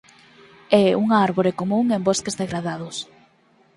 É unha árbore común en bosques degradados.